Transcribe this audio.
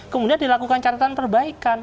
kemudian dilakukan catatan perbaikan